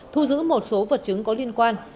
thu giữ một số vật chứng có liên quan